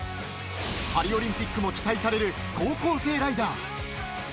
パリオリンピックも期待される高校生ライダー。